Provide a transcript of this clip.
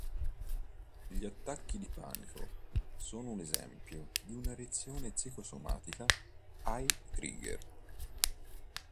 Gli attacchi di panico sono un esempio di una reazione psicosomatica ai trigger.